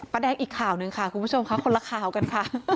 แดงอีกข่าวหนึ่งค่ะคุณผู้ชมค่ะคนละข่าวกันค่ะ